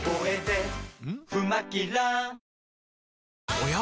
おや？